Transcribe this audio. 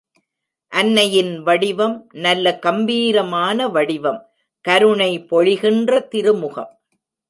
அன்னையின் வடிவம் நல்ல கம்பீரமான வடிவம், கருணை பொழிகின்ற திருமுகம்.